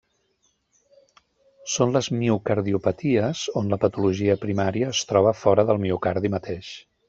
Són les miocardiopaties, on la patologia primària es troba fora del miocardi mateix.